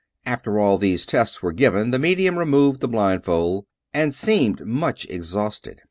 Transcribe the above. After all of these tests were given, the medium removed the blindfold and seemed much exhausted.